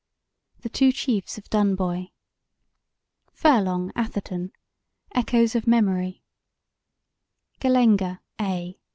The Two Chiefs of Dunboy FURLONG, ATHERTON: Echoes of Memory GALLENGA, A.